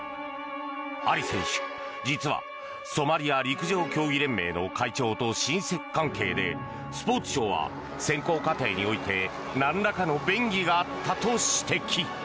アリ選手、実はソマリア陸上競技連盟の会長と親戚関係でスポーツ省は選考過程においてなんらかの便宜があったと指摘。